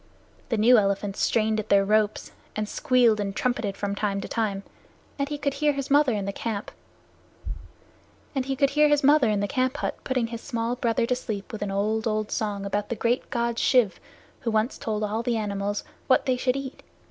The new elephants strained at their ropes, and squealed and trumpeted from time to time, and he could hear his mother in the camp hut putting his small brother to sleep with an old, old song about the great God Shiv, who once told all the animals what they should eat.